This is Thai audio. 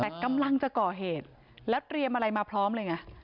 แต่กำลังจะก่อเหตุแล้วเตรียมอะไรมาพร้อมเลยไง